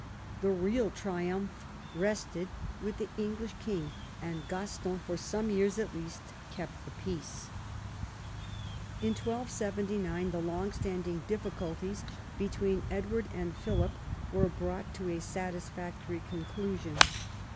The real triumph rested with the English king, and Gaston, for some years at least, kept the peace. In 1279 the long standing difficulties between Edward and Philip were brought to a satisfactory conclusion.